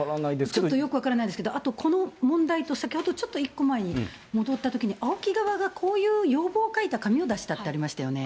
ちょっとよく分からないですけど、あとこの問題と、ちょっと一個前に戻ったときに、ＡＯＫＩ側がこういう要望を書いた紙を出したってありましたよね。